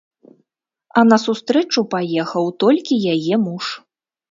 А на сустрэчу паехаў толькі яе муж.